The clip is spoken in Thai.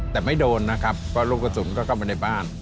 แต่ไม่โดนนะครับเพราะลูกกระสุนก็เข้ามาในบ้าน